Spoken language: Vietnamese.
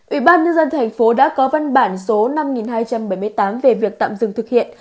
ủy ban nhân dân thành phố đã có văn bản số năm nghìn hai trăm bảy mươi tám về việc tạm dừng thực hiện